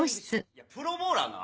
いやプロボウラーな。